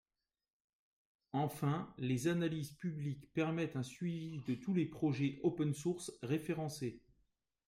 Enfin, les analyses publiques permettent un suivi de tous les projets OpenSource référencés.